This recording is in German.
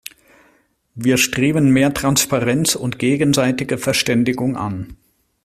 Wir streben mehr Transparenz und gegenseitige Verständigung an.